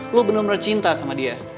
lo bener bener cinta sama dia